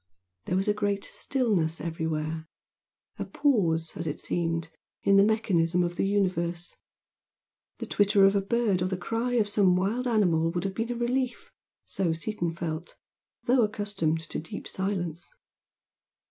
There was great stillness everywhere, a pause, as it seemed, in the mechanism of the universe. The twitter of a bird or the cry of some wild animal would have been a relief, so Seaton felt, though accustomed to deep silence.